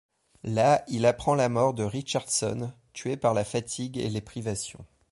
Là il apprend la mort de Richardson, tué par la fatigue et les privations.